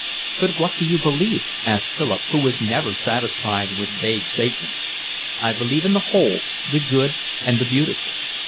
"But what do you believe?" asked Philip, who was never satisfied with vague statements. "I believe in the Whole, the Good, and the Beautiful."